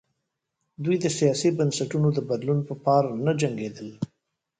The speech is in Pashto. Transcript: دوی د سیاسي بنسټونو د بدلون په پار نه جنګېدل.